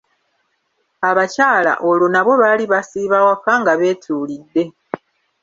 Abakyala olwo nabo baali basiiba waka nga beetuulidde.